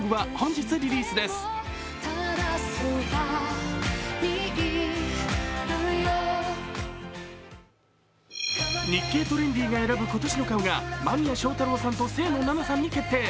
「日経トレンディ」が選ぶ今年の顔が間宮祥太朗さんと清野菜名さんに決定。